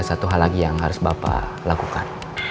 satu hal lagi yang harus bapak lakukan